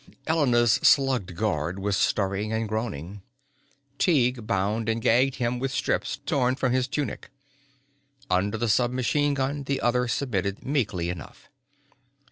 Elena's slugged guard was stirring and groaning. Tighe bound and gagged him with strips torn from his tunic. Under the submachine gun the other submitted meekly enough.